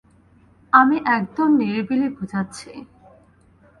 আমি একদম নিরিবিলি বুঝাচ্ছি।